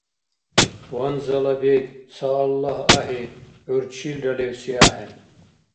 Ванзала бекӀ ца Аллагь ахӀи, гӀур чилра левси ахӀен.